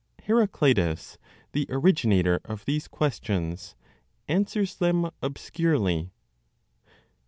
HERACLITUS, THE ORIGINATOR OF THESE QUESTIONS, ANSWERS THEM OBSCURELY.